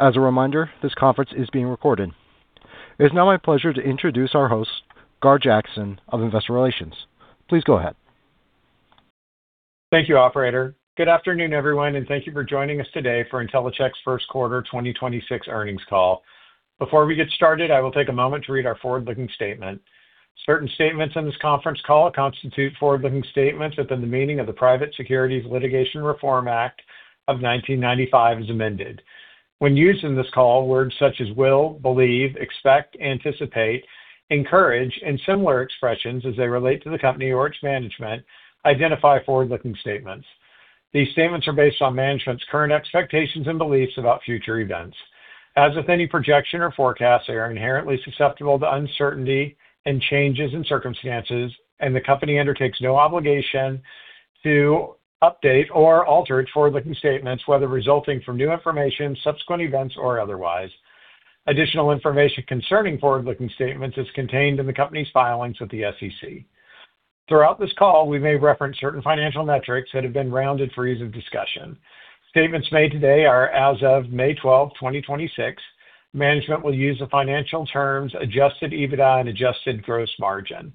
As a reminder, this conference is being recorded. It is now my pleasure to introduce our host, Gar Jackson of Investor Relations. Please go ahead. Thank you, operator. Good afternoon, everyone, and thank you for joining us today for Intellicheck's 1st quarter 2026 earnings call. Before we get started, I will take a moment to read our forward-looking statement. Certain statements on this conference call constitute forward-looking statements within the meaning of the Private Securities Litigation Reform Act of 1995 as amended. When used in this call, words such as will, believe, expect, anticipate, encourage, and similar expressions as they relate to the company or its management identify forward-looking statements. These statements are based on management's current expectations and beliefs about future events. As with any projection or forecast, they are inherently susceptible to uncertainty and changes in circumstances, and the company undertakes no obligation to update or alter its forward-looking statements, whether resulting from new information, subsequent events, or otherwise. Additional information concerning forward-looking statements is contained in the company's filings with the SEC. Throughout this call, we may reference certain financial metrics that have been rounded for ease of discussion. Statements made today are as of May 12th, 2026. Management will use the financial terms adjusted EBITDA and adjusted gross margin.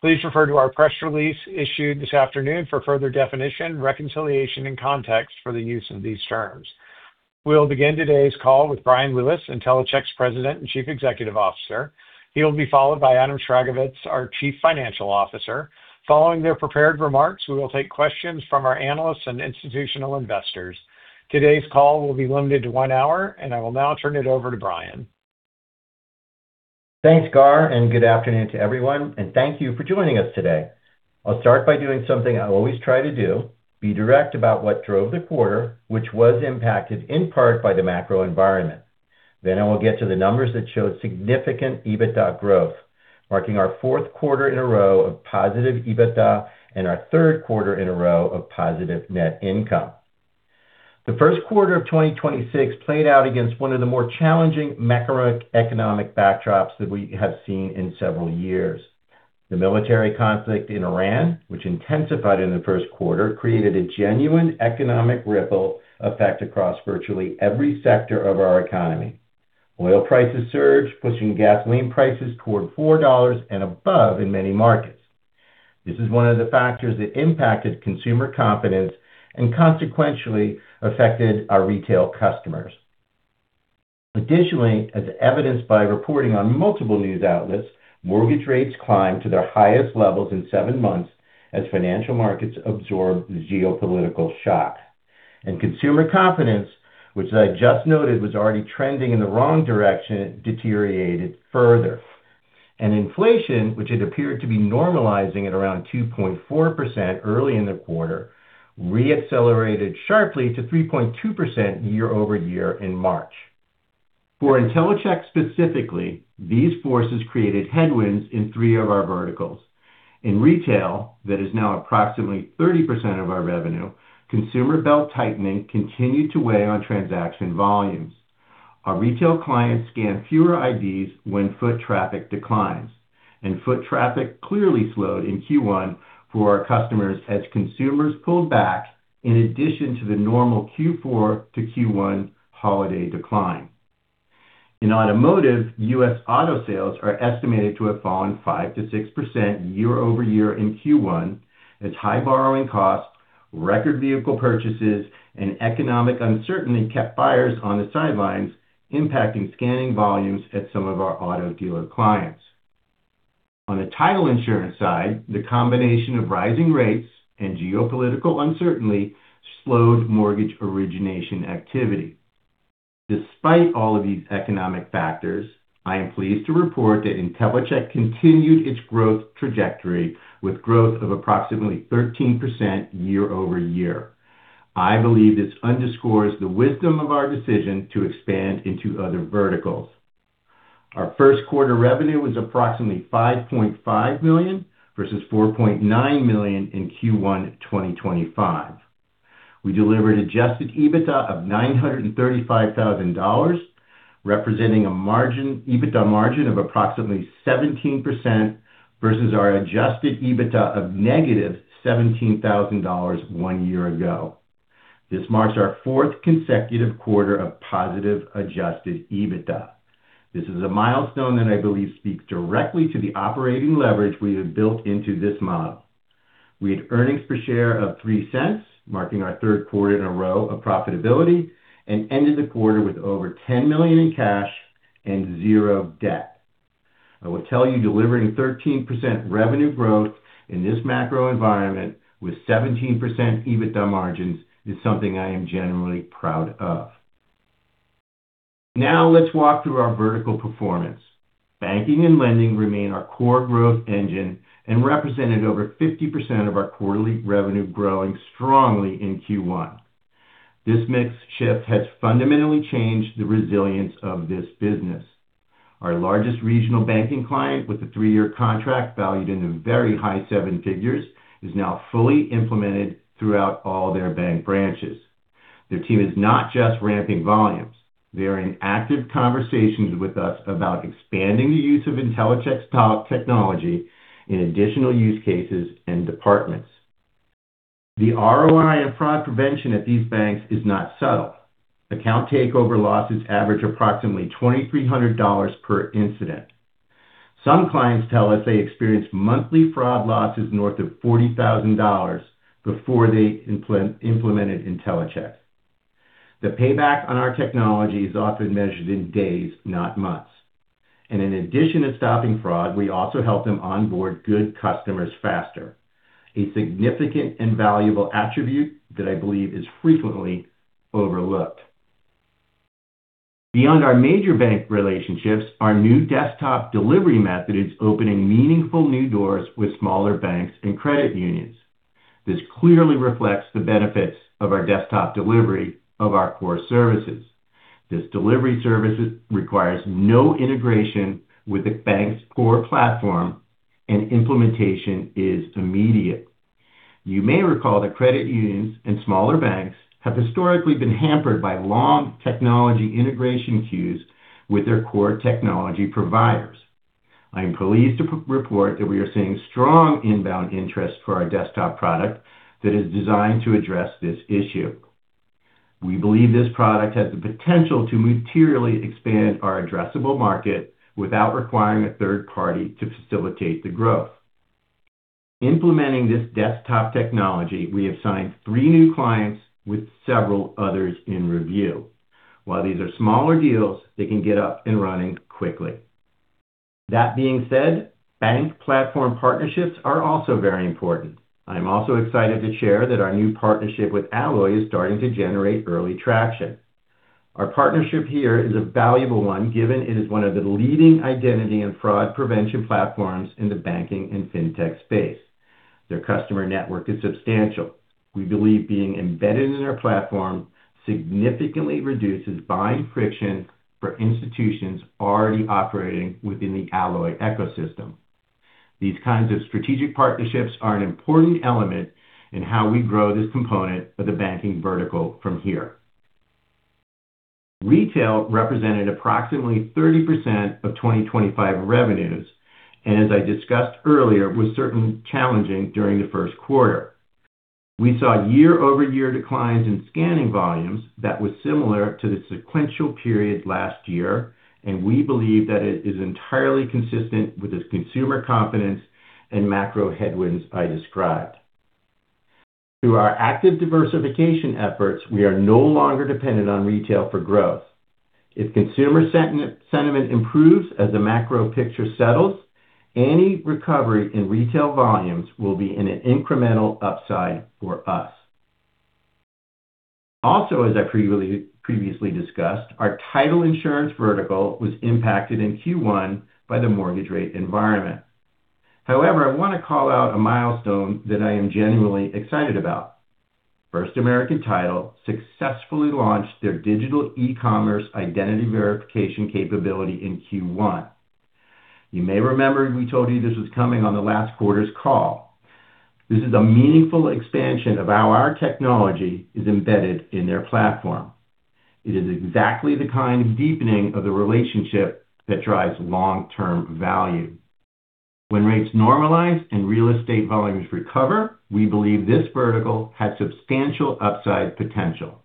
Please refer to our press release issued this afternoon for further definition, reconciliation, and context for the use of these terms. We'll begin today's call with Bryan Lewis, Intellicheck's President and Chief Executive Officer. He will be followed by Adam Sragovicz, our Chief Financial Officer. Following their prepared remarks, we will take questions from our analysts and institutional investors. Today's call will be limited to one hour. I will now turn it over to Bryan. Thanks, Gar. Good afternoon to everyone. Thank you for joining us today. I'll start by doing something I always try to do, be direct about what drove the quarter, which was impacted in part by the macro environment. I will get to the numbers that showed significant EBITDA growth, marking our fourth quarter in a row of positive EBITDA and our third quarter in a row of positive net income. The first quarter of 2026 played out against one of the more challenging macroeconomic backdrops that we have seen in several years. The military conflict in Iran, which intensified in the first quarter, created a genuine economic ripple effect across virtually every sector of our economy. Oil prices surged, pushing gasoline prices toward $4 and above in many markets. This is one of the factors that impacted consumer confidence and consequentially affected our retail customers. Additionally, as evidenced by reporting on multiple news outlets, mortgage rates climbed to their highest levels in seven months as financial markets absorbed the geopolitical shock. Consumer confidence, which I just noted was already trending in the wrong direction, deteriorated further. Inflation, which had appeared to be normalizing at around 2.4% early in the quarter, re-accelerated sharply to 3.2% year-over-year in March. For Intellicheck specifically, these forces created headwinds in three of our verticals. In retail, that is now approximately 30% of our revenue, consumer belt-tightening continued to weigh on transaction volumes. Our retail clients scan fewer IDs when foot traffic declines, and foot traffic clearly slowed in Q1 for our customers as consumers pulled back in addition to the normal Q4 to Q1 holiday decline. In automotive, U.S. auto sales are estimated to have fallen 5%-6% year-over-year in Q1 as high borrowing costs, record vehicle purchases, and economic uncertainty kept buyers on the sidelines, impacting scanning volumes at some of our auto dealer clients. On the title insurance side, the combination of rising rates and geopolitical uncertainty slowed mortgage origination activity. Despite all of these economic factors, I am pleased to report that Intellicheck continued its growth trajectory with growth of approximately 13% year-over-year. I believe this underscores the wisdom of our decision to expand into other verticals. Our first quarter revenue was approximately $5.5 million versus $4.9 million in Q1 2025. We delivered adjusted EBITDA of $935,000, representing EBITDA margin of approximately 17% versus our adjusted EBITDA of -$17,000 one year ago. This marks our fourth consecutive quarter of positive adjusted EBITDA. This is a milestone that I believe speaks directly to the operating leverage we have built into this model. We had earnings per share of $0.03, marking our third quarter in a row of profitability, and ended the quarter with over $10 million in cash and zero debt. I will tell you delivering 13% revenue growth in this macro environment with 17% EBITDA margins is something I am genuinely proud of. Now let's walk through our vertical performance. Banking and lending remain our core growth engine and represented over 50% of our quarterly revenue growing strongly in Q1. This mix shift has fundamentally changed the resilience of this business. Our largest regional banking client with a three-year contract valued in the very high seven figures is now fully implemented throughout all their bank branches. Their team is not just ramping volumes. They are in active conversations with us about expanding the use of Intellicheck's top technology in additional use cases and departments. The ROI and fraud prevention at these banks is not subtle. Account takeover losses average approximately $2,300 per incident. Some clients tell us they experience monthly fraud losses north of $40,000 before they implemented Intellicheck. The payback on our technology is often measured in days, not months. In addition to stopping fraud, we also help them onboard good customers faster, a significant and valuable attribute that I believe is frequently overlooked. Beyond our major bank relationships, our new desktop delivery method is opening meaningful new doors with smaller banks and credit unions. This clearly reflects the benefits of our desktop delivery of our core services. This delivery services requires no integration with the bank's core platform, and implementation is immediate. You may recall that credit unions and smaller banks have historically been hampered by long technology integration queues with their core technology providers. I am pleased to report that we are seeing strong inbound interest for our desktop product that is designed to address this issue. We believe this product has the potential to materially expand our addressable market without requiring a third party to facilitate the growth. Implementing this desktop technology, we have signed three new clients with several others in review. While these are smaller deals, they can get up and running quickly. That being said, bank platform partnerships are also very important. I am also excited to share that our new partnership with Alloy is starting to generate early traction. Our partnership here is a valuable one, given it is one of the leading identity and fraud prevention platforms in the banking and fintech space. Their customer network is substantial. We believe being embedded in their platform significantly reduces buying friction for institutions already operating within the Alloy ecosystem. These kinds of strategic partnerships are an important element in how we grow this component of the banking vertical from here. Retail represented approximately 30% of 2025 revenues, and as I discussed earlier, was certainly challenging during the first quarter. We saw year-over-year declines in scanning volumes that was similar to the sequential period last year, and we believe that it is entirely consistent with the consumer confidence and macro headwinds I described. Through our active diversification efforts, we are no longer dependent on retail for growth. If consumer sentiment improves as the macro picture settles, any recovery in retail volumes will be an incremental upside for us. As I previously discussed, our title insurance vertical was impacted in Q1 by the mortgage rate environment. I want to call out a milestone that I am genuinely excited about. First American Title successfully launched their digital e-commerce identity verification capability in Q1. You may remember we told you this was coming on the last quarter's call. This is a meaningful expansion of how our technology is embedded in their platform. It is exactly the kind of deepening of the relationship that drives long-term value. When rates normalize and real estate volumes recover, we believe this vertical has substantial upside potential.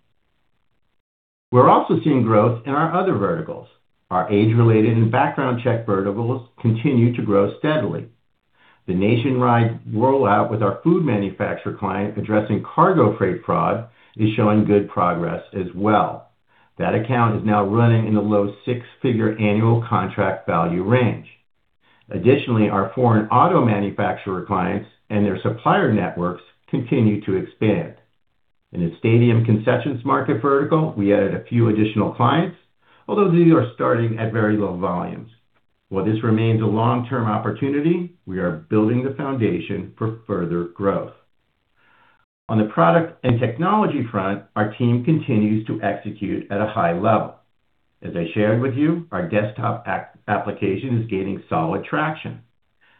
We're also seeing growth in our other verticals. Our age-related and background check verticals continue to grow steadily. The nationwide rollout with our food manufacturer client addressing cargo freight fraud is showing good progress as well. That account is now running in the low six-figure annual contract value range. Additionally, our foreign auto manufacturer clients and their supplier networks continue to expand. In the stadium concessions market vertical, we added a few additional clients, although these are starting at very low volumes. While this remains a long-term opportunity, we are building the foundation for further growth. On the product and technology front, our team continues to execute at a high level. As I shared with you, our desktop app-application is gaining solid traction.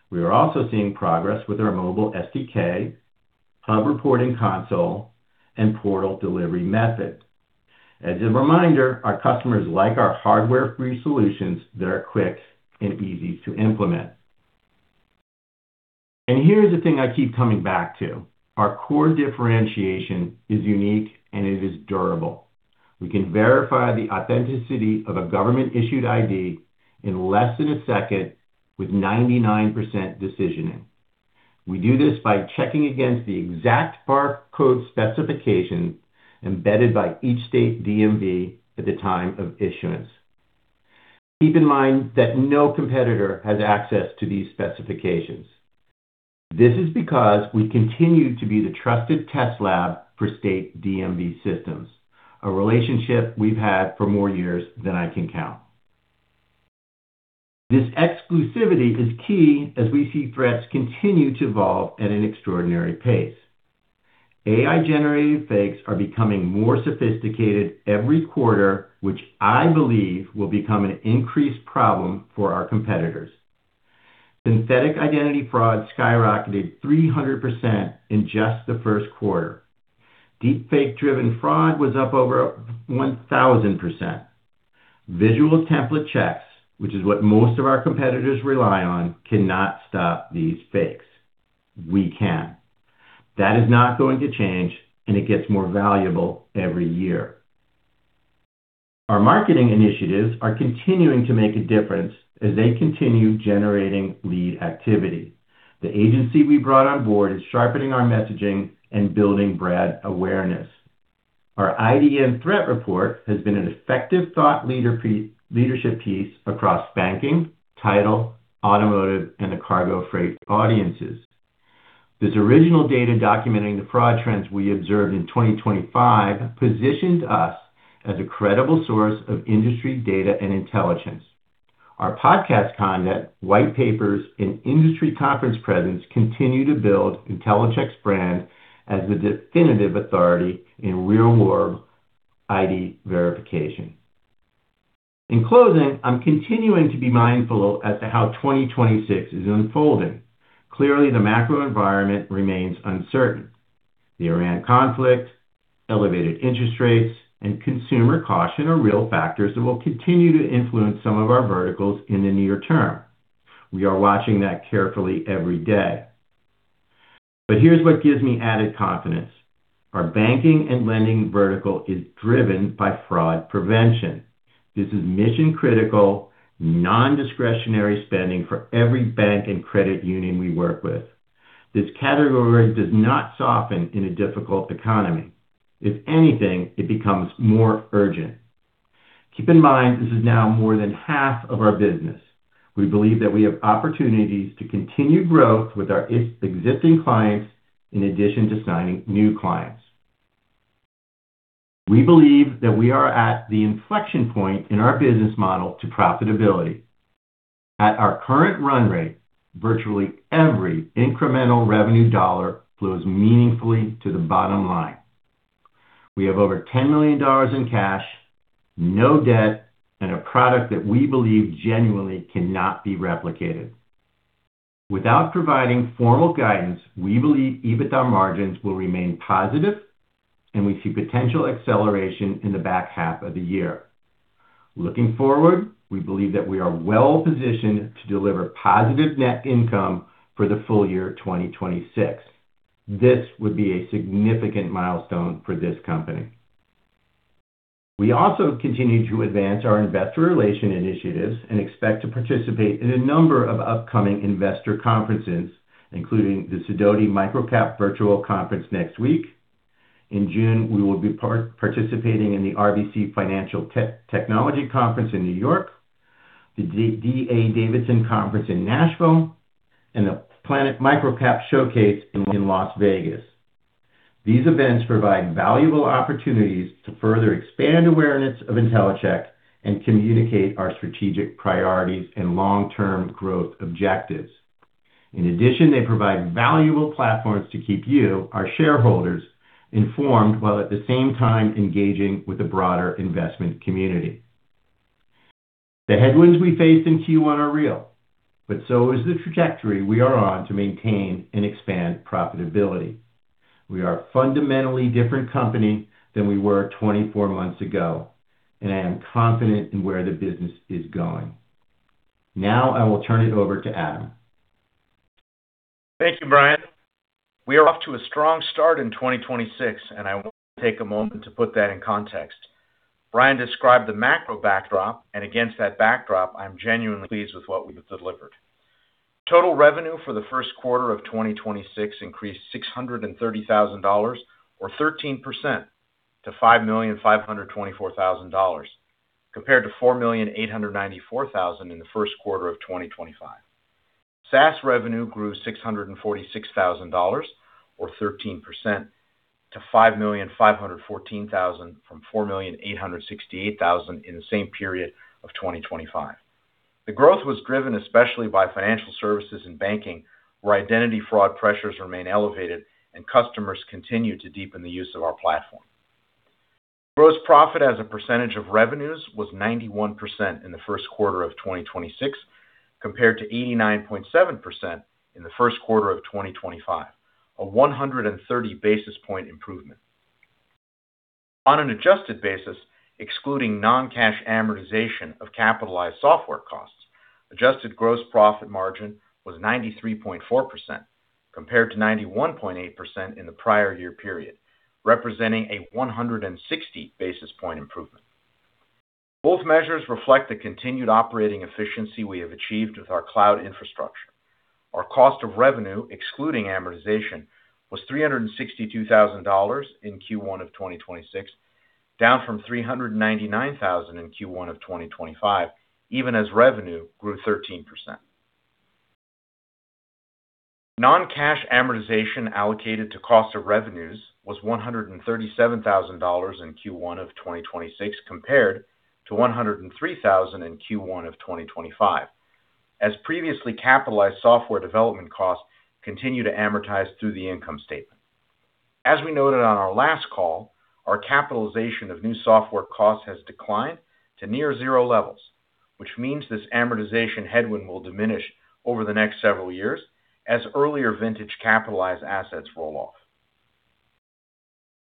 We are also seeing progress with our mobile SDK, hub reporting console, and portal delivery method. As a reminder, our customers like our hardware-free solutions that are quick and easy to implement. Here's the one thing I keep coming back to: Our core differentiation is unique, and it is durable. We can verify the authenticity of a government-issued ID in less than a second with 99% decisioning. We do this by checking against the exact barcode specifications embedded by each state DMV at the time of issuance. Keep in mind that no competitor has access to these specifications. This is because we continue to be the trusted test lab for state DMV systems, a relationship we've had for more years than I can count. This exclusivity is key as we see threats continue to evolve at an extraordinary pace. AI-generated fakes are becoming more sophisticated every quarter, which I believe will become an increased problem for our competitors. Synthetic identity fraud skyrocketed 300% in just the first quarter. Deepfake-driven fraud was up over 1,000%. Visual template checks, which is what most of our competitors rely on, cannot stop these fakes. We can. That is not going to change, and it gets more valuable every year. Our marketing initiatives are continuing to make a difference as they continue generating lead activity. The agency we brought on board is sharpening our messaging and building brand awareness. Our IDM Threat Report has been an effective thought leadership piece across banking, title, automotive, and the cargo freight audiences. This original data documenting the fraud trends we observed in 2025 positioned us as a credible source of industry data and intelligence. Our podcast content, white papers, and industry conference presence continue to build Intellicheck's brand as the definitive authority in real-world ID verification. In closing, I'm continuing to be mindful as to how 2026 is unfolding. Clearly, the macro environment remains uncertain. The Iran conflict, elevated interest rates, and consumer caution are real factors that will continue to influence some of our verticals in the near term. We are watching that carefully every day. Here's what gives me added confidence. Our banking and lending vertical is driven by fraud prevention. This is mission-critical, non-discretionary spending for every bank and credit union we work with. This category does not soften in a difficult economy. If anything, it becomes more urgent. Keep in mind, this is now more than 1/2 of our business. We believe that we have opportunities to continue growth with our existing clients in addition to signing new clients. We believe that we are at the inflection point in our business model to profitability. At our current run rate, virtually every incremental revenue dollar flows meaningfully to the bottom line. We have over $10 million in cash, no debt, and a product that we believe genuinely cannot be replicated. Without providing formal guidance, we believe EBITDA margins will remain positive, and we see potential acceleration in the back half of the year. Looking forward, we believe that we are well-positioned to deliver positive net income for the full year 2026. This would be a significant milestone for this company. We also continue to advance our investor relation initiatives and expect to participate in a number of upcoming investor conferences, including the Sidoti Micro-Cap Virtual Conference next week. In June, we will be participating in the RBC Financial Technology Conference in New York, the D.A. Davidson Conference in Nashville, and the Planet MicroCap Showcase in Las Vegas. These events provide valuable opportunities to further expand awareness of Intellicheck and communicate our strategic priorities and long-term growth objectives. In addition, they provide valuable platforms to keep you, our shareholders, informed while at the same time engaging with the broader investment community. The headwinds we face in Q1 are real, but so is the trajectory we are on to maintain and expand profitability. We are a fundamentally different company than we were 24 months ago, and I am confident in where the business is going. Now I will turn it over to Adam. Thank you, Bryan. We are off to a strong start in 2026, and I want to take a moment to put that in context. Bryan described the macro backdrop, and against that backdrop, I'm genuinely pleased with what we have delivered. Total revenue for the first quarter of 2026 increased $630,000 or 13% to $5,524,000 compared to $4,894,000 in the first quarter of 2025. SaaS revenue grew $646,000 or 13% to $5,514,000 from $4,868,000 in the same period of 2025. The growth was driven especially by financial services and banking, where identity fraud pressures remain elevated and customers continue to deepen the use of our platform. Gross profit as a % of revenues was 91% in the first quarter of 2026 compared to 89.7% in the first quarter of 2025, a 130 basis point improvement. On an adjusted basis, excluding non-cash amortization of capitalized software costs, adjusted gross profit margin was 93.4% compared to 91.8% in the prior year period, representing a 160 basis point improvement. Both measures reflect the continued operating efficiency we have achieved with our cloud infrastructure. Our cost of revenue, excluding amortization, was $362,000 in Q1 of 2026, down from $399,000 in Q1 of 2025, even as revenue grew 13%. Non-cash amortization allocated to cost of revenues was $137,000 in Q1 of 2026 compared to $103,000 in Q1 of 2025. As previously capitalized software development costs continue to amortize through the income statement. As we noted on our last call, our capitalization of new software costs has declined to near zero levels, which means this amortization headwind will diminish over the next several years as earlier vintage capitalized assets roll off.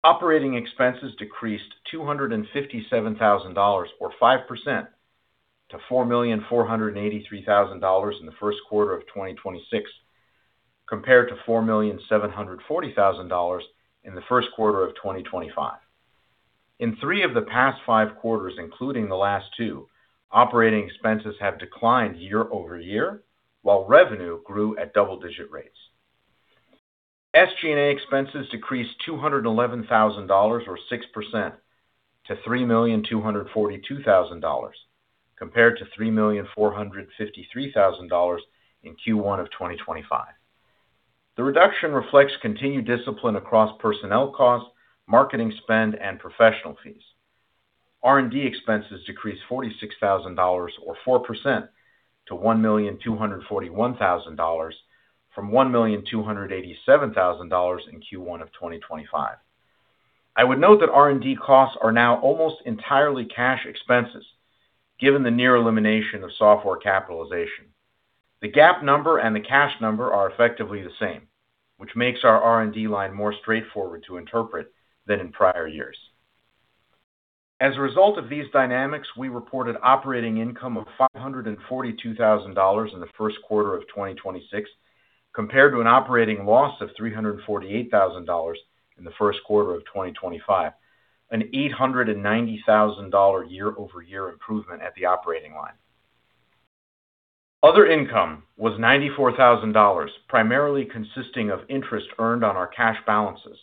Operating expenses decreased $257,000 or 5% to $4,483,000 in the first quarter of 2026, compared to $4,740,000 in the first quarter of 2025. In three of the past five quarters, including the last two, operating expenses have declined year-over-year, while revenue grew at double-digit rates. SG&A expenses decreased $211,000, or 6%, to $3,242,000, compared to $3,453,000 in Q1 of 2025. The reduction reflects continued discipline across personnel costs, marketing spend, and professional fees. R&D expenses decreased $46,000, or 4%, to $1,241,000 from $1,287,000 in Q1 of 2025. I would note that R&D costs are now almost entirely cash expenses, given the near elimination of software capitalization. The GAAP number and the cash number are effectively the same, which makes our R&D line more straightforward to interpret than in prior years. As a result of these dynamics, we reported operating income of $542,000 in the first quarter of 2026, compared to an operating loss of $348,000 in the first quarter of 2025, an $890,000 year-over-year improvement at the operating line. Other income was $94,000, primarily consisting of interest earned on our cash balances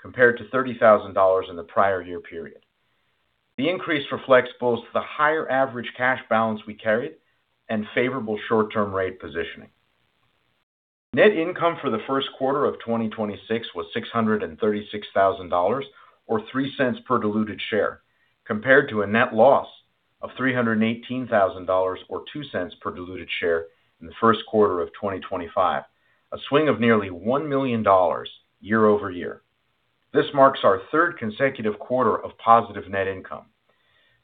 compared to $30,000 in the prior year period. The increase reflects both the higher average cash balance we carried and favorable short-term rate positioning. Net income for the first quarter of 2026 was $636,000, or $0.03 per diluted share, compared to a net loss of $318,000 or $0.02 per diluted share in the first quarter of 2025, a swing of nearly $1 million year-over-year. This marks our third consecutive quarter of positive net income.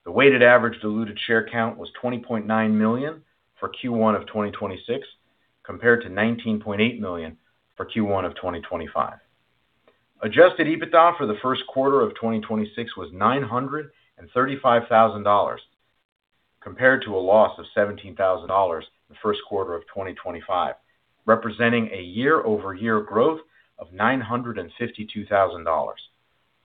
The weighted average diluted share count was 20.9 million for Q1 of 2026, compared to 19.8 million for Q1 of 2025. Adjusted EBITDA for the first quarter of 2026 was $935,000, compared to a loss of $17,000 in the first quarter of 2025, representing a year-over-year growth of $952,000.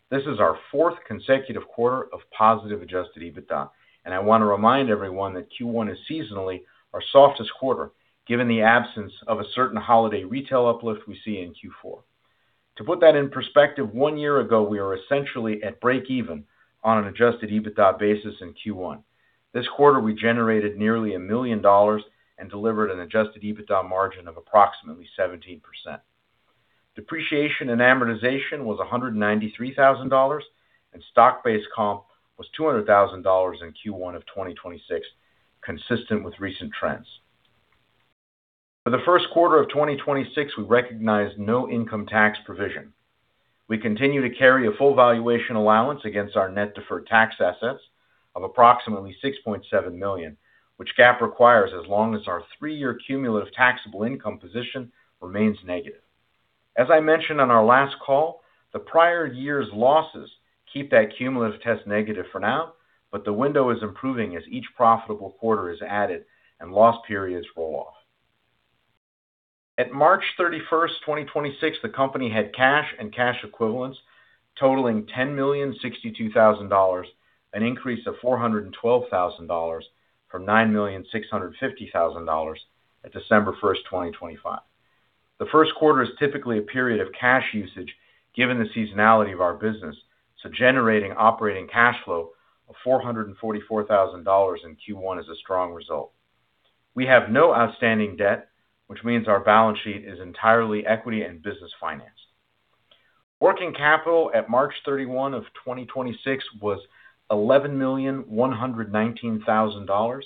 This is our fourth consecutive quarter of positive adjusted EBITDA, and I want to remind everyone that Q1 is seasonally our softest quarter, given the absence of a certain holiday retail uplift we see in Q4. To put that in perspective, one year ago, we were essentially at breakeven on an adjusted EBITDA basis in Q1. This quarter, we generated nearly $1 million and delivered an adjusted EBITDA margin of approximately 17%. Depreciation and amortization was $193,000, and stock-based comp was $200,000 in Q1 of 2026, consistent with recent trends. For the first quarter of 2026, we recognized no income tax provision. We continue to carry a full valuation allowance against our net deferred tax assets of approximately $6.7 million, which GAAP requires as long as our three-year cumulative taxable income position remains negative. As I mentioned on our last call, the prior year's losses keep that cumulative test negative for now, but the window is improving as each profitable quarter is added and loss periods roll off. At March 31, 2026, the company had cash and cash equivalents totaling $10,062,000, an increase of $412,000 from $9,650,000 at December 1, 2025. The first quarter is typically a period of cash usage given the seasonality of our business, so generating operating cash flow of $444,000 in Q1 is a strong result. We have no outstanding debt, which means our balance sheet is entirely equity and business financed. Working capital at March 31, 2026 was $11,119,000.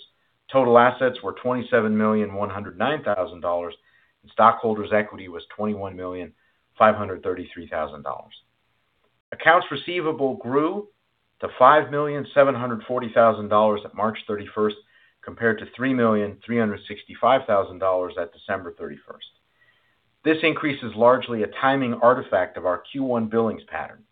Total assets were $27,109,000, and stockholders' equity was $21,533,000. Accounts receivable grew to $5,740,000 at March 31st, compared to $3,365,000 at December 31st. This increase is largely a timing artifact of our Q1 billings pattern.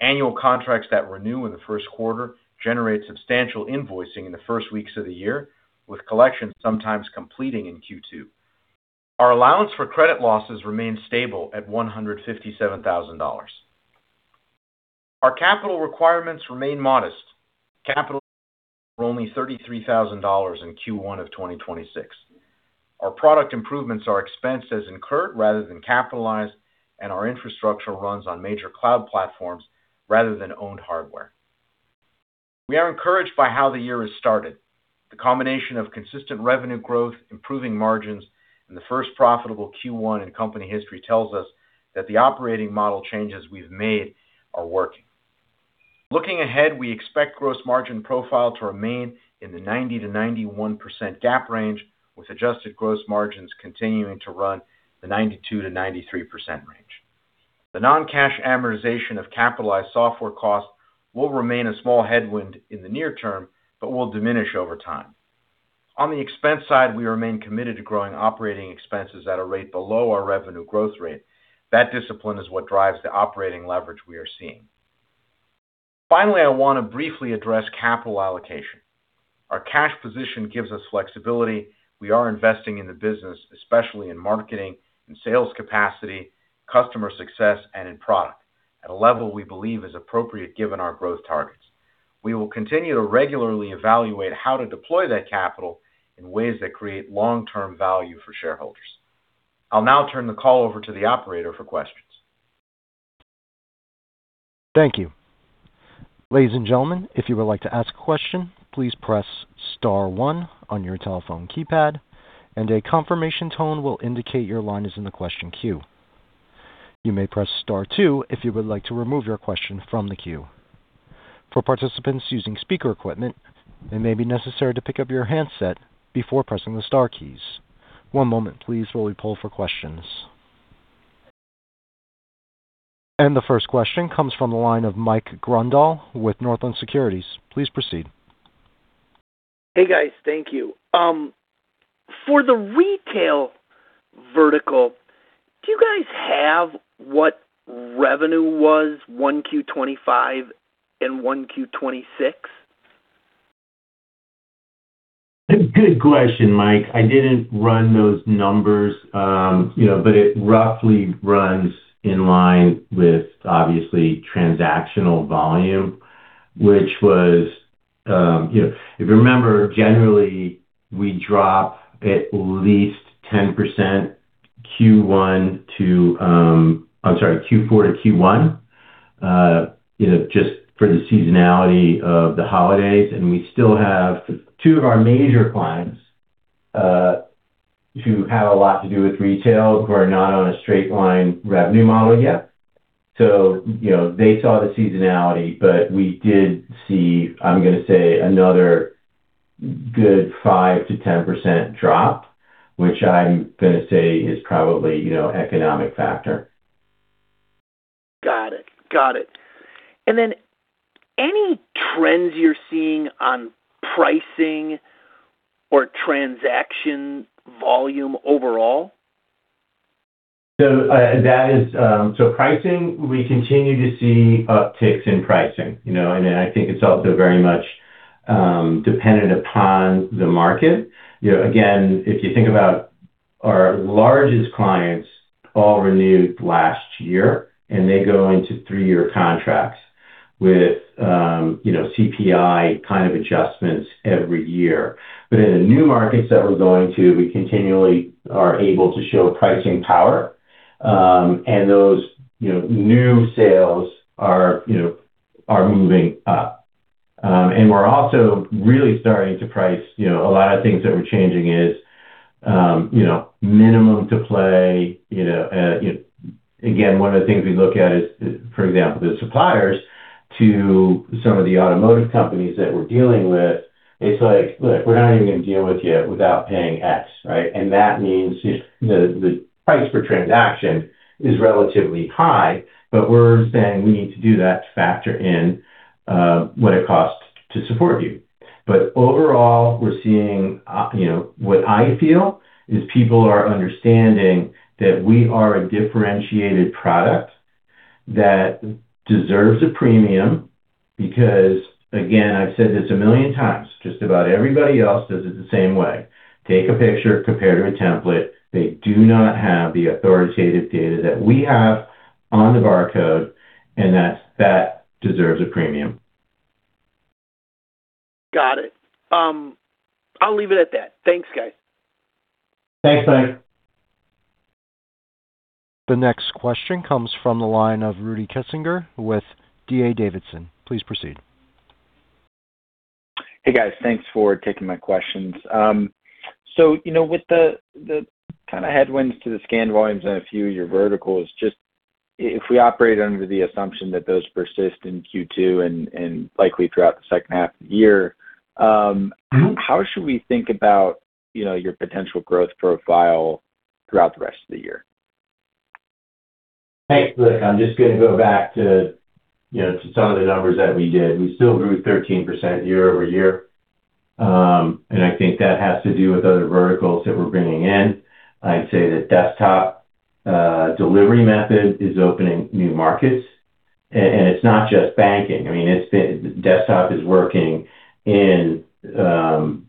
Annual contracts that renew in the first quarter generate substantial invoicing in the first weeks of the year, with collections sometimes completing in Q2. Our allowance for credit losses remains stable at $157,000. Our capital requirements remain modest. Capital expenditures were only $33,000 in Q1 of 2026. Our product improvements are expensed as incurred rather than capitalized, and our infrastructure runs on major cloud platforms rather than owned hardware. We are encouraged by how the year has started. The combination of consistent revenue growth, improving margins, and the first profitable Q1 in company history tells us that the operating model changes we've made are working. Looking ahead, we expect gross margin profile to remain in the 90%-91% GAAP range, with adjusted gross margins continuing to run the 92%-93% range. The non-cash amortization of capitalized software costs will remain a small headwind in the near term but will diminish over time. On the expense side, we remain committed to growing operating expenses at a rate below our revenue growth rate. That discipline is what drives the operating leverage we are seeing. I want to briefly address capital allocation. Our cash position gives us flexibility. We are investing in the business, especially in marketing and sales capacity, customer success, and in product at a level we believe is appropriate given our growth targets. We will continue to regularly evaluate how to deploy that capital in ways that create long-term value for shareholders. I'll now turn the call over to the operator for questions. Thank you. Ladies and gentlemen, if you would like to ask a question, please press star one on your telephone keypad and a confirmation tone will indicate your line is in the question queue. You may press star two if you would like to remove your question from the queue. For participants using speaker equipment, it may be necessary to pick up your handset before pressing the star keys. One moment please while we poll for questions. The first question comes from the line of Mike Grondahl with Northland Securities. Please proceed. Hey, guys. Thank you. For the retail vertical, do you guys have what revenue was 1Q 2025 and 1Q 2026? Good question, Mike. I didn't run those numbers, you know, but it roughly runs in line with obviously transactional volume, which was, if you remember, generally we drop at least 10% Q1 to, I'm sorry, Q4 to Q1, you know, just for the seasonality of the holidays. We still have two of our major clients, who have a lot to do with retail, who are not on a straight line revenue model yet. You know, they saw the seasonality, but we did see, I'm gonna say, another good 5%-10% drop, which I'm gonna say is probably, you know, economic factor. Got it. Any trends you're seeing on pricing or transaction volume overall? That is pricing, we continue to see upticks in pricing, you know, and I think it's also very much dependent upon the market. You know, again, if you think about our largest clients all renewed last year, and they go into three-year contracts with, you know, CPI kind of adjustments every year. In the new markets that we're going to, we continually are able to show pricing power, and those, you know, new sales are, you know, are moving up. We're also really starting to price, you know, a lot of things that we're changing is, you know, minimum to play, you know. Again, one of the things we look at is, for example, the suppliers to some of the automotive companies that we're dealing with. It's like, "Look, we're not even going to deal with you without paying X," right? That means the price per transaction is relatively high, but we're saying we need to do that to factor in what it costs to support you. Overall, we're seeing, you know, what I feel is people are understanding that we are a differentiated product that deserves a premium because, again, I've said this a million times, just about everybody else does it the same way. Take a picture, compare it to a template. They do not have the authoritative data that we have on the barcode, and that deserves a premium. Got it. I'll leave it at that. Thanks, guys. Thanks, Mike. The next question comes from the line of Rudy Kessinger with D.A. Davidson. Please proceed. Hey, guys. Thanks for taking my questions. You know, with the kind of headwinds to the scan volumes in a few of your verticals, just if we operate under the assumption that those persist in Q2 and likely throughout the second half of the year, How should we think about, you know, your potential growth profile throughout the rest of the year? Hey, look, I'm just going to go back to, you know, to some of the numbers that we did. We still grew 13% year-over-year, and I think that has to do with other verticals that we're bringing in. I'd say that desktop delivery method is opening new markets. It's not just banking. I mean, Desktop is working in, you know,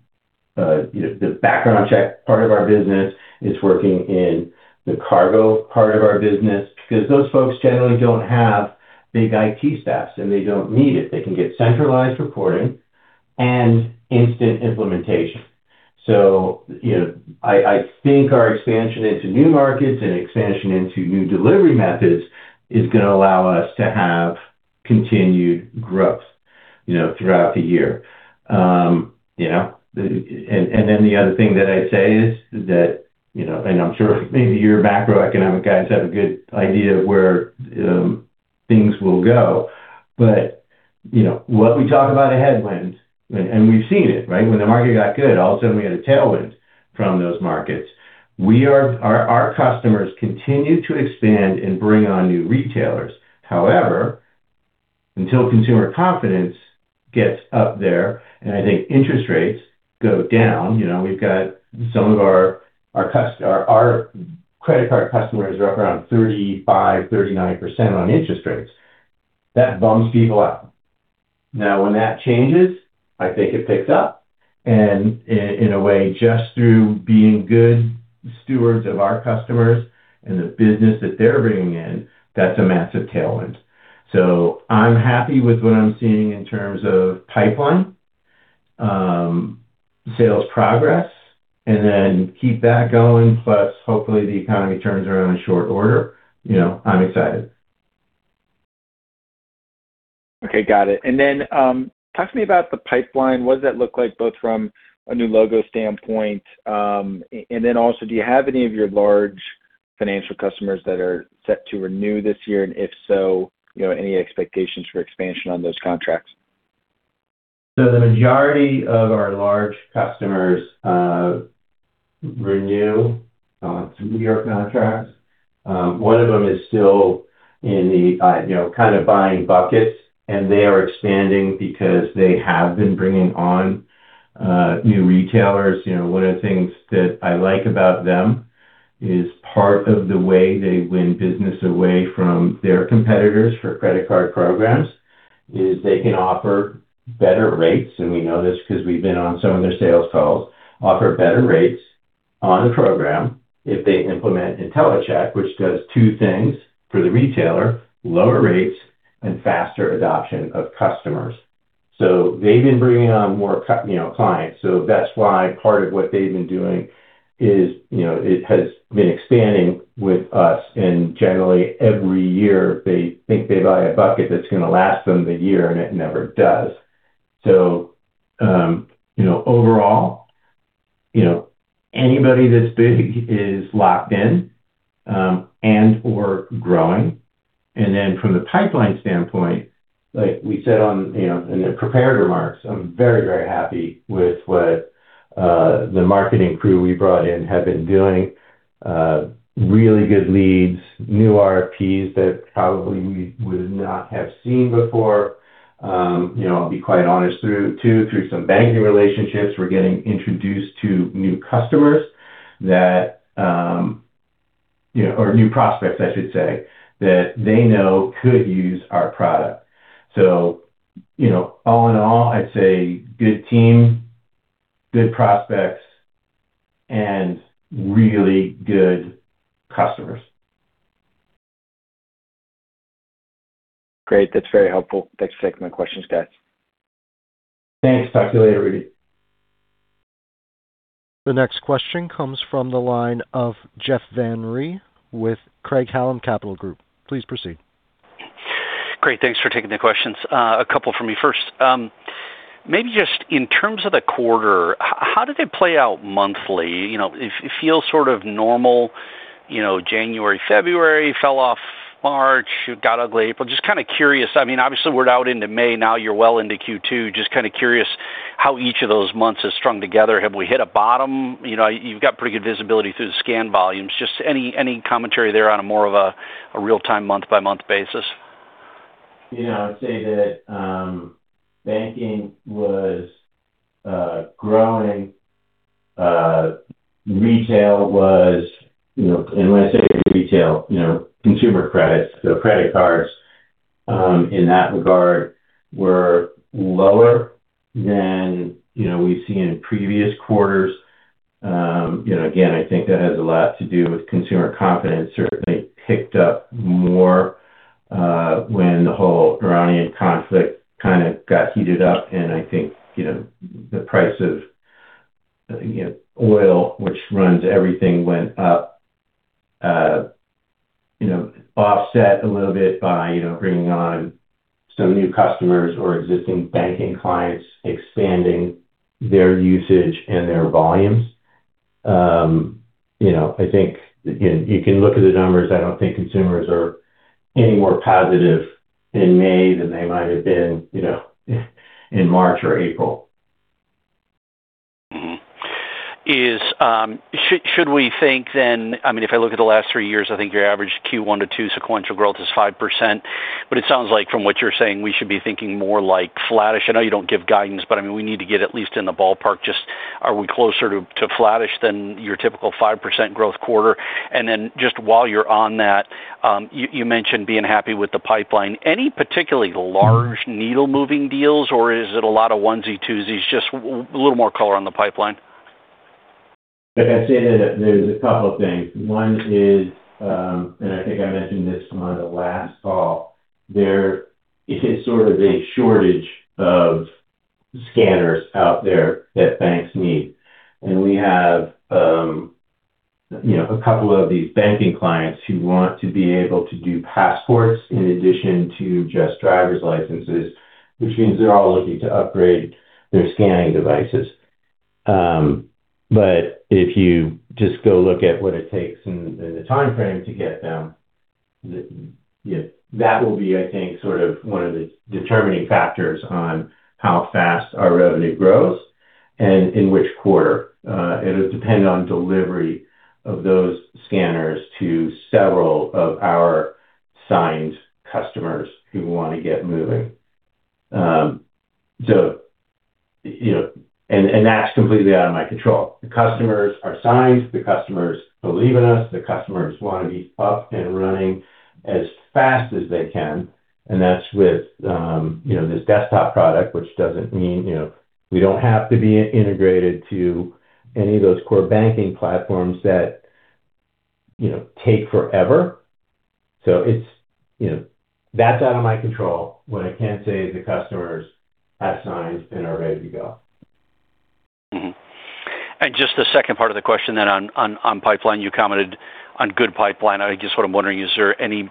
the background check part of our business. It's working in the cargo part of our business because those folks generally don't have big IT staffs, and they don't need it. They can get centralized reporting and instant implementation. You know, I think our expansion into new markets and expansion into new delivery methods is going to allow us to have continued growth, you know, throughout the year. You know, the other thing that I'd say is that, you know, I'm sure maybe your macroeconomic guys have a good idea of where things will go. You know, what we talk about a headwind, and we've seen it, right? When the market got good, all of a sudden we had a tailwind from those markets. Our customers continue to expand and bring on new retailers. Until consumer confidence gets up there and I think interest rates go down, you know, we've got some of our credit card customers are up around 35%-39% on interest rates. That bums people out. When that changes, I think it picks up and in a way just through being good stewards of our customers and the business that they're bringing in, that's a massive tailwind. I'm happy with what I'm seeing in terms of pipeline, sales progress, and then keep that going plus hopefully the economy turns around in short order. You know, I'm excited. Okay, got it. Talk to me about the pipeline. What does that look like both from a new logo standpoint? Also, do you have any of your large financial customers that are set to renew this year? If so, you know, any expectations for expansion on those contracts? The majority of our large customers renew some New York contracts. One of them is still in the, you know, kind of buying buckets, and they are expanding because they have been bringing on new retailers. You know, one of the things that I like about them is part of the way they win business away from their competitors for credit card programs is they can offer better rates, and we know this 'cause we've been on some of their sales calls, offer better rates on the program if they implement Intellicheck, which does two things for the retailer: lower rates and faster adoption of customers. They've been bringing on more, you know, clients, so that's why part of what they've been doing is, you know, it has been expanding with us, and generally every year they think they buy a bucket that's gonna last them the year, and it never does. Overall, you know, anybody this big is locked in and/or growing. From the pipeline standpoint, like we said on, you know, in the prepared remarks, I'm very, very happy with what the marketing crew we brought in have been doing, really good leads, new RFPs that probably we would not have seen before. You know, I'll be quite honest, through too, through some banking relationships, we're getting introduced to new customers that, you know, or new prospects I should say, that they know could use our product. You know, all in all, I'd say good team, good prospects, and really good customers. Great. That's very helpful. Thanks for taking my questions, guys. Thanks. Talk to you later, Rudy. The next question comes from the line of Jeff Van Rhee with Craig-Hallum Capital Group. Please proceed. Great. Thanks for taking the questions. A couple from me. First, maybe just in terms of the quarter, how did it play out monthly? You know, if it feels sort of normal, you know, January, February, fell off March, it got ugly April. Just kinda curious. I mean, obviously, we're out into May now, you're well into Q2. Just kinda curious how each of those months has strung together. Have we hit a bottom? You know, you've got pretty good visibility through the scan volumes. Just any commentary there on a more of a real-time month-by-month basis? You know, I'd say that, banking was growing. Retail was, you know, and when I say retail, you know, consumer credits, so credit cards, in that regard were lower than, you know, we've seen in previous quarters. You know, again, I think that has a lot to do with consumer confidence. Certainly picked up more, when the whole Iranian conflict kinda got heated up and I think, you know, the price of, you know, oil, which runs everything, went up. You know, offset a little bit by, you know, bringing on some new customers or existing banking clients expanding their usage and their volumes. You know, I think, you know, you can look at the numbers. I don't think consumers are any more positive in May than they might have been, you know, in March or April. Should we think, I mean, if I look at the last three years, I think your average Q1 to two sequential growth is 5%. It sounds like from what you're saying, we should be thinking more like flattish. I know you don't give guidance, I mean, we need to get at least in the ballpark. Just are we closer to flattish than your typical 5% growth quarter? Just while you're on that, you mentioned being happy with the pipeline. Any particularly large needle-moving deals, or is it a lot of onesie, twosies? Just a little more color on the pipeline. Like I said, there's a couple of things. One is, I think I mentioned this on the last call, there is sort of a shortage of scanners out there that banks need. We have, you know, a couple of these banking clients who want to be able to do passports in addition to just driver's licenses, which means they're all looking to upgrade their scanning devices. If you just go look at what it takes and the timeframe to get them, you know, that will be, I think, sort of one of the determining factors on how fast our revenue grows and in which quarter. It'll depend on delivery of those scanners to several of our signed customers who wanna get moving. You know, that's completely out of my control. The customers are signed, the customers believe in us, the customers wanna be up and running as fast as they can, and that's with, you know, this desktop product, which doesn't mean, you know, we don't have to be integrated to any of those core banking platforms that, you know, take forever. It's, you know, that's out of my control. What I can say is the customers have signed and are ready to go. Just the second part of the question then on pipeline. You commented on good pipeline. What I'm wondering, is there any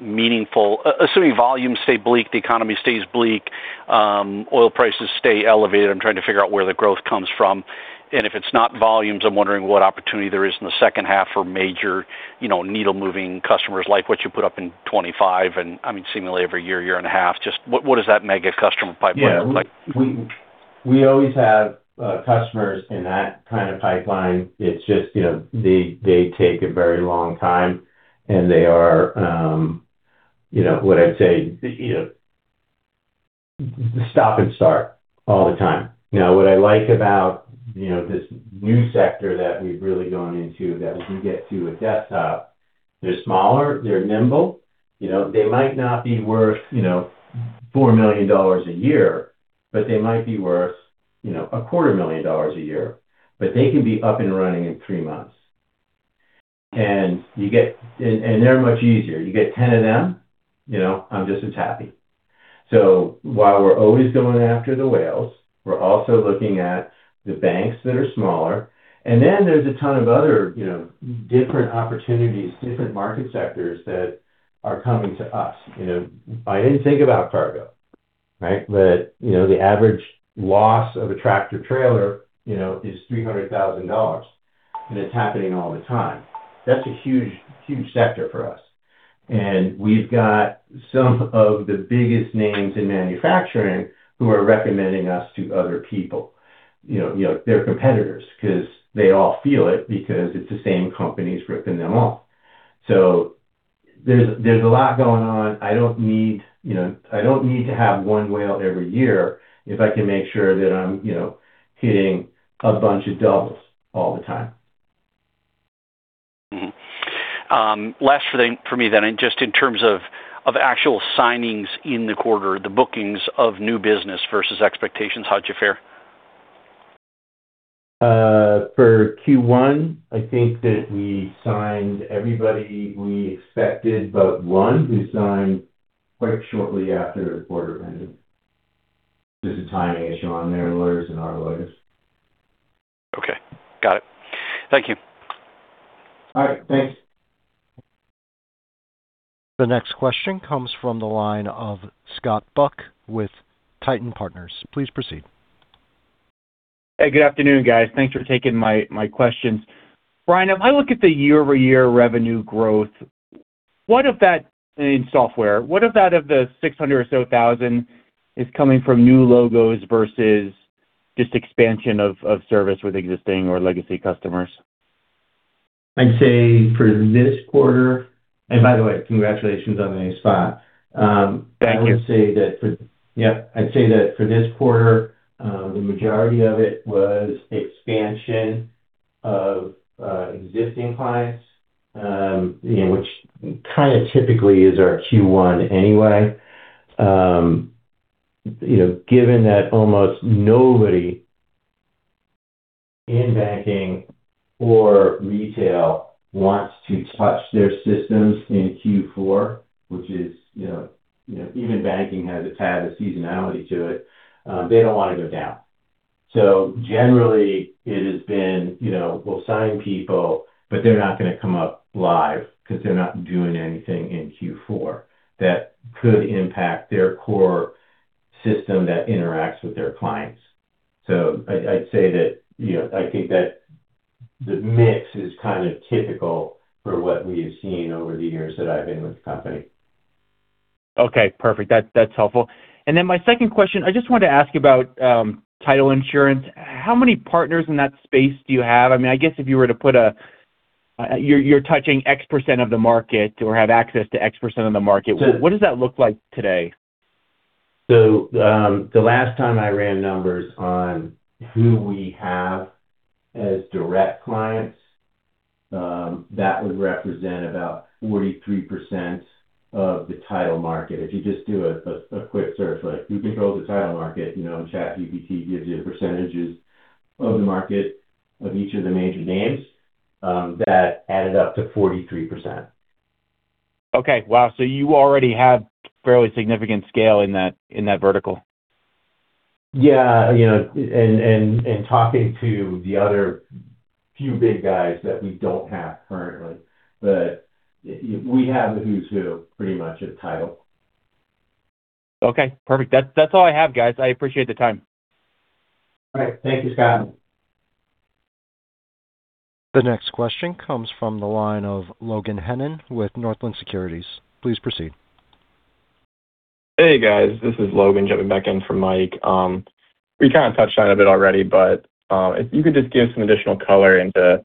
meaningful assuming volumes stay bleak, the economy stays bleak, oil prices stay elevated, I'm trying to figure out where the growth comes from. If it's not volumes, I'm wondering what opportunity there is in the second half for major, you know, needle-moving customers like what you put up in 2025, and I mean, seemingly every year and a half. Just what does that mega customer pipeline look like? Yeah. We always have customers in that kind of pipeline. It's just, you know, they take a very long time, and they are, you know, what I'd say, you know, stop and start all the time. You know, what I like about, you know, this new sector that we've really gone into that as we get to a desktop, they're smaller, they're nimble. You know, they might not be worth, you know, $4 million a year, but they might be worth, you know, a quarter million dollars a year. They can be up and running in three months. They're much easier. You get 10 of them, you know, I'm just as happy. While we're always going after the whales, we're also looking at the banks that are smaller. There's a ton of other, you know, different opportunities, different market sectors that are coming to us. You know, I didn't think about cargo, right? You know, the average loss of a tractor-trailer, you know, is $300,000, and it's happening all the time. That's a huge, huge sector for us. We've got some of the biggest names in manufacturing who are recommending us to other people. You know, their competitors, 'cause they all feel it because it's the same companies ripping them off. There's a lot going on. I don't need, you know, I don't need to have one whale every year if I can make sure that I'm, you know, hitting a bunch of doubles all the time. Last for me then, and just in terms of actual signings in the quarter, the bookings of new business versus expectations. How'd you fare? For Q1, I think that we signed everybody we expected, but one who signed quite shortly after the quarter ended. Just a timing issue on their lawyers and our lawyers. Okay. Got it. Thank you. All right. Thanks. The next question comes from the line of Scott Buck with Titan Partners. Please proceed. Hey, good afternoon, guys. Thanks for taking my questions. Bryan, if I look at the year-over-year revenue growth, in software, what of that of the $600,000 or so is coming from new logos versus just expansion of service with existing or legacy customers? I'd say for this quarter. By the way, congratulations on the new spot. Thank you. I'd say that for this quarter, the majority of it was expansion of existing clients, you know, which kinda typically is our Q1 anyway. You know, given that almost nobody in banking or retail wants to touch their systems in Q4, which is, you know, even banking has, it's had a seasonality to it, they don't wanna go down. Generally, it has been, you know, we'll sign people, but they're not gonna come up live because they're not doing anything in Q4 that could impact their core system that interacts with their clients. I'd say that, you know, I think that the mix is kind of typical for what we have seen over the years that I've been with the company. Okay. Perfect. That's helpful. My second question, I just wanted to ask about title insurance. How many partners in that space do you have? I mean, I guess if you were to put a, you're touching X% of the market or have access to X% of the market. So- What does that look like today? The last time I ran numbers on who we have as direct clients, that would represent about 43% of the title market. If you just do a quick search, like who controls the title market, you know, ChatGPT gives you the percentages of the market of each of the major names, that added up to 43%. Okay. Wow. You already have fairly significant scale in that, in that vertical. Yeah. You know, talking to the other few big guys that we don't have currently. We have a who's who pretty much at title. Okay. Perfect. That's all I have, guys. I appreciate the time. All right. Thank you, Scott. The next question comes from the line of Logan Hennen with Northland Securities. Please proceed. Hey, guys. This is Logan jumping back in for Mike. We kinda touched on it a bit already, but if you could just give some additional color into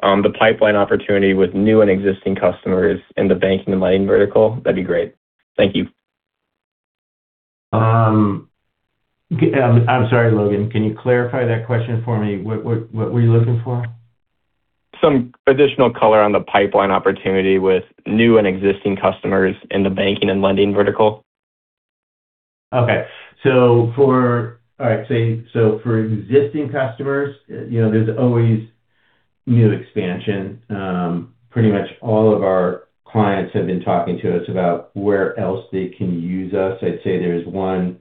the pipeline opportunity with new and existing customers in the banking and lending vertical, that'd be great. Thank you. I'm sorry, Logan, can you clarify that question for me? What were you looking for? Some additional color on the pipeline opportunity with new and existing customers in the banking and lending vertical. All right. For existing customers, you know, there's always new expansion. Pretty much all of our clients have been talking to us about where else they can use us. I'd say there's one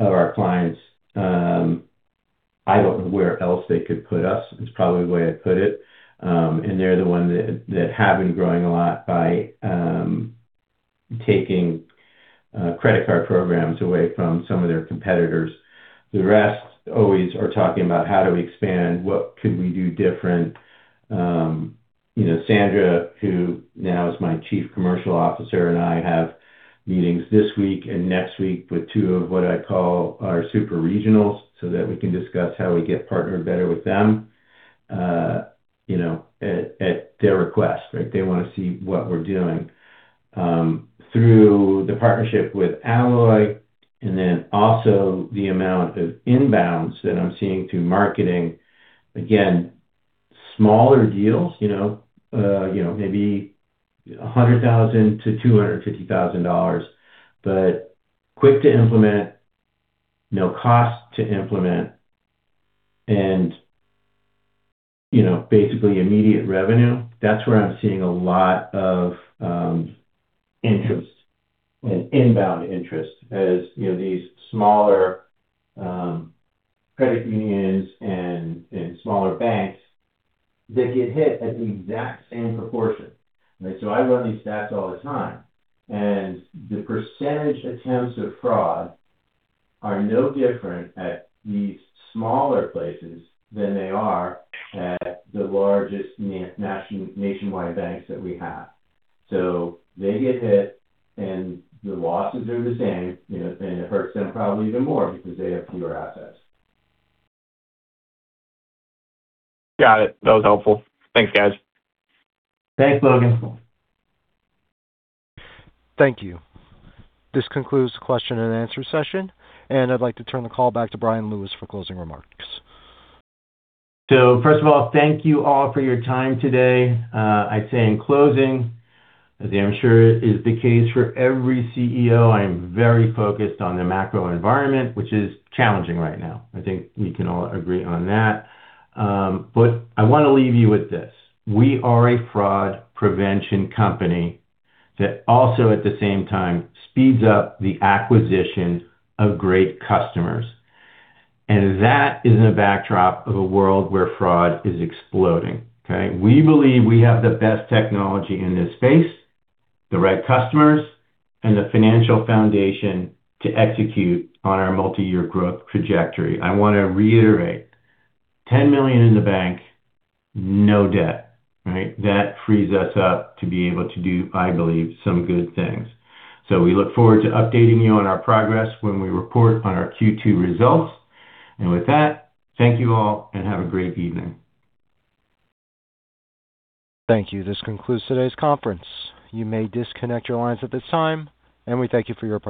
of our clients, I don't know where else they could put us, is probably the way to put it. They're the one that have been growing a lot by taking credit card programs away from some of their competitors. The rest always are talking about how do we expand, what could we do different. You know, Sandra, who now is my Chief Commercial Officer, and I have meetings this week and next week with two of what I call our super regionals so that we can discuss how we get partnered better with them, you know, at their request, right. They wanna see what we're doing. Through the partnership with Alloy and then also the amount of inbounds that I'm seeing through marketing, again, smaller deals, you know, you know, maybe $100,000-$250,000, but quick to implement, no cost to implement and, you know, basically immediate revenue. That's where I'm seeing a lot of interest and inbound interest as, you know, these smaller credit unions and smaller banks, they get hit at the exact same proportion. Right? I run these stats all the time, and the % attempts of fraud are no different at these smaller places than they are at the largest nationwide banks that we have. They get hit, and the losses are the same, you know, and it hurts them probably even more because they have fewer assets. Got it. That was helpful. Thanks, guys. Thanks, Logan. Thank you. This concludes the question and answer session. I'd like to turn the call back to Bryan Lewis for closing remarks. First of all, thank you all for your time today. I'd say in closing, as I'm sure is the case for every CEO, I am very focused on the macro environment, which is challenging right now. I think we can all agree on that. I wanna leave you with this. We are a fraud prevention company that also at the same time speeds up the acquisition of great customers, and that is in a backdrop of a world where fraud is exploding. Okay? We believe we have the best technology in this space, the right customers, and the financial foundation to execute on our multi-year growth trajectory. I wanna reiterate, $10 million in the bank, no debt. Right? That frees us up to be able to do, I believe, some good things. We look forward to updating you on our progress when we report on our Q2 results. With that, thank you all, and have a great evening. Thank you. This concludes today's conference. You may disconnect your lines at this time. We thank you for your participation.